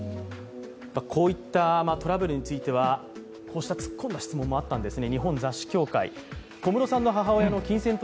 こういったトラブルについては突っ込んだ質問もあったんですね。